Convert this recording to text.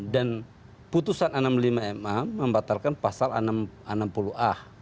dan putusan enam puluh lima ma membatalkan pasal enam puluh a